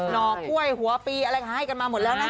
ห่อกล้วยหัวปีอะไรก็ให้กันมาหมดแล้วนะ